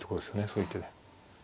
そういう手で。